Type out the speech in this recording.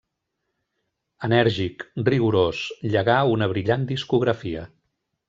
Enèrgic, rigorós, llegà una brillant discografia.